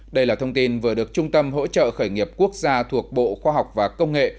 đây là thông tin vừa được trung tâm hỗ trợ khởi nghiệp quốc gia thuộc bộ khoa học và công nghệ